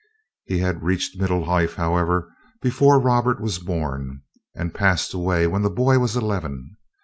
He had reached middle life, however, before Robert was born, and passed away when the boy was eleven.